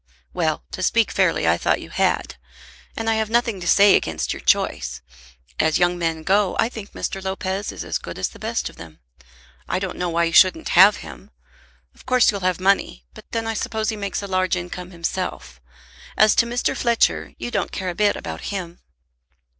"Well; to speak fairly, I thought you had; and I have nothing to say against your choice. As young men go, I think Mr. Lopez is as good as the best of them. I don't know why you shouldn't have him. Of course you'll have money, but then I suppose he makes a large income himself. As to Mr. Fletcher, you don't care a bit about him."